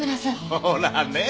ほらね。